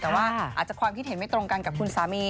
แต่ว่าอาจจะความคิดเห็นไม่ตรงกันกับคุณสามี